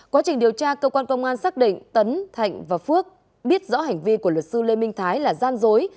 quá trình điều tra cơ quan công an xác định tấn thạnh và phước biết rõ hành vi của luật sư lê minh thái là gian dối